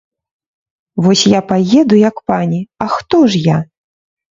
Вось я паеду, як пані, а хто ж я?